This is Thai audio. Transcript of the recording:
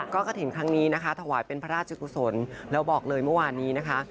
ก็กระถิ่นครั้งนี้นะคะถวายเป็นพระราชกุศลแล้วบอกเลยเมื่อวานนี้นะคะ